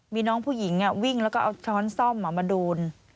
มีน้องผู้หญิงวิ่งแล้วก็เอาช้อนซ่อมมาดูน